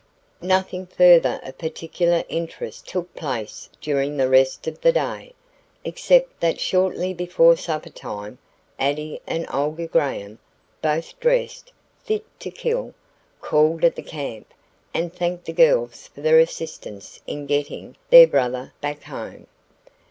Nothing further of particular interest took place during the rest of the day, except that shortly before suppertime Addie and Olga Graham, both dressed "fit to kill," called at the camp and thanked the girls for their assistance in getting "their brother" back home.